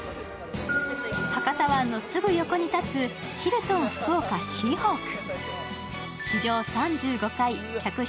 博多湾のすぐ横に立つヒルトン福岡シーホーク。